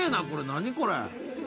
何これ。